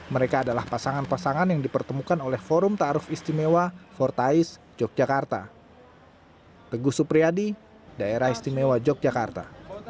mereka adalah pasangan pasangan yang dipertemukan oleh forum taruf istimewa fortais yogyakarta